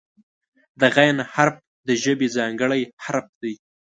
د "غ" حرف د ژبې ځانګړی حرف دی.